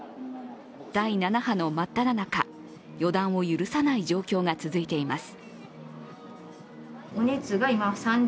第７波の真っただ中、予断を許さない状況が続いています。